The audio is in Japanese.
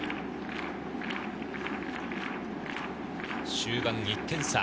終盤１点差。